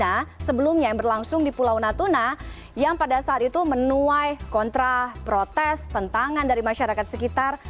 bencana sebelumnya yang berlangsung di pulau natuna yang pada saat itu menuai kontra protes pentangan dari masyarakat sekitar